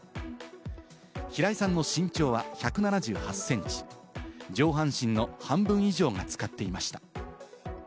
平井さんの身長は１７８センチ、上半身の半分以上がつかっていました。